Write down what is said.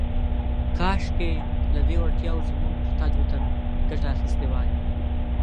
« کاشکې، لهٔ دې وړتیاوو زموږ محتاج وطن ګټه اخیستې وای. »